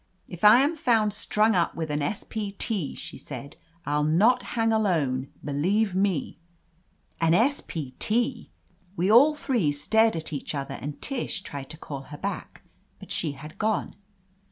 "If I am found strung up with an S. P. T.," she said, "I'll not hang alone, believe me'^ An S. P. T.l We all three stared at each other, and Tish tried to call her back. But she had gone.